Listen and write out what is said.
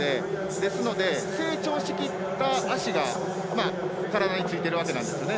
ですので成長しきった足が体についてるわけなんですよね。